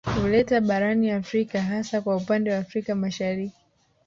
Kuleta barani Afrika hasa kwa upande wa Afrika Mashariki